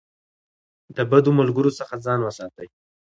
د بدو ملګرو څخه ځان وساتئ.